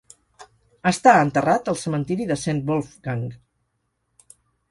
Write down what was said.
Està enterrat al cementiri de Saint Wolfgang.